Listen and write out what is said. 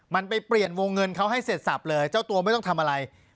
มันไปเปลี่ยนวงเงินเขาให้เสร็จสับเลยเจ้าตัวไม่ต้องทำอะไร